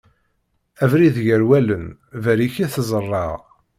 Abrid gar wallen, berrik i t-ẓerreɣ.